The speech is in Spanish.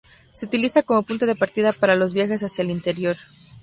Se utiliza como punto de partida para los viajes hacia el interior.